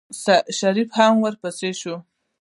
شريف هم ورپسې شو.